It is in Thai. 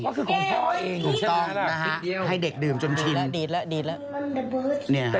คือของพ่อเองถูกต้องนะฮะให้เด็กดื่มจนชินดีตและดีตและ